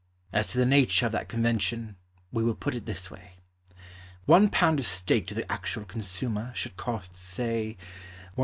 As to the nature of that convention We will put it this way: One pound of steak To the actual consumer Should cost, say, 1s.